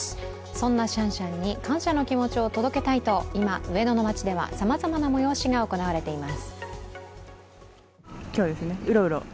そんなシャンシャンに感謝をの気持ちを届けたいと今、上野の街ではさまざまな催しが行われています。